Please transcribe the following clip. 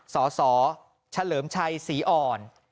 สสเฉลิมชัยศรีอ่อน